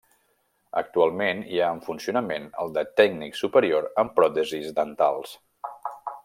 Actualment, hi ha en funcionament el de Tècnic Superior en Pròtesis Dentals.